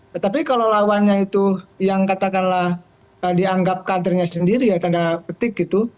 tetapi kalau lawannya itu yang katakanlah dianggap kadernya sendiri ya tanda petik gitu